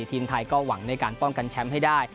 ทีมไทยก็หวังในการป้องกันแชมป์ให้ได้